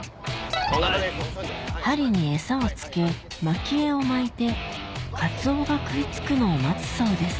針にエサを付け撒き餌を撒いてカツオが食い付くのを待つそうです